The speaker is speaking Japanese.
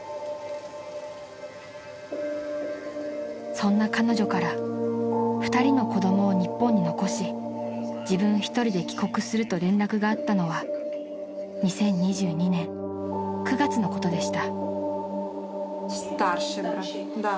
［そんな彼女から２人の子供を日本に残し自分一人で帰国すると連絡があったのは２０２２年９月のことでした］